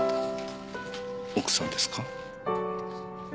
奥さんですか？